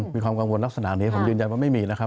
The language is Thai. มีความกังวลลักษณะนี้ผมยืนยันว่าไม่มีนะครับ